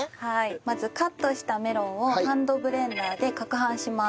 まずカットしたメロンをハンドブレンダーで攪拌します。